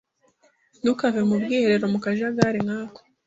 Ntukave mu bwiherero mu kajagari nkako.